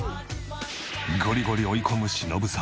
ゴリゴリ追い込む忍様。